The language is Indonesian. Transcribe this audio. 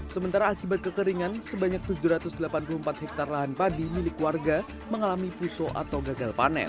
sementara akibat kekeringan sebanyak tujuh ratus delapan puluh empat hektare lahan padi milik warga mengalami pusuh atau gagal panen